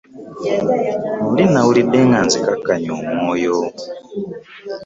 Mulu nawulidde nga nzikakannye omwoyo .